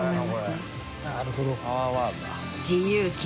なるほど。